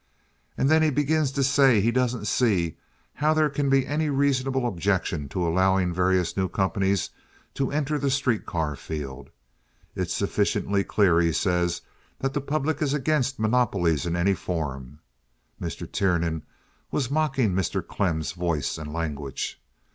"And then he begins to say he doesn't see how there can be any reasonable objection to allowin' various new companies to enter the street car field. 'It's sufficiently clear,' he says, 'that the public is against monopolies in any form.'" (Mr. Tiernan was mocking Mr. Klemm's voice and language.)